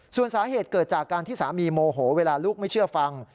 ส่วนสาเหตุเกิดจากการที่สามีโมโหเวลาลูกไม่เชื่อฟัง